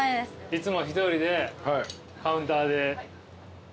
いつも１人でカウンターで。